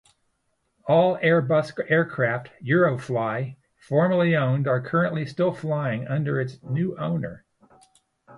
All Airbus aircraft Eurofly formerly owned are currently still flying under its new owner.